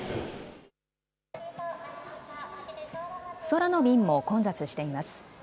空の便も混雑しています。